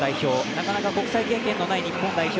なかなか国際経験のない日本代表